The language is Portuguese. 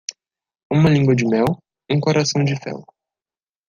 Uma língua de mel? um coração de fel